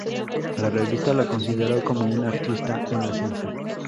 La revista la consideró como una artista en ascenso.